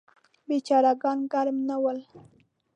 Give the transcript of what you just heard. بیچاره ګان ګرم نه ول.